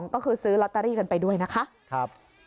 ก็คือซื้อลอตเตอรี่กันไปด้วยนะคะ